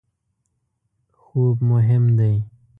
خوب مهم دی